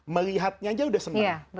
melihatnya aja udah senang